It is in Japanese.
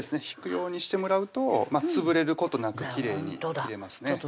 引くようにしてもらうと潰れることなくきれいに切れますね